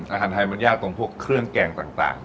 อาหารไทยมันยากตรงพวกเครื่องแกงต่าง